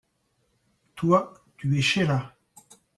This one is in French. Toi, tu es Sheila.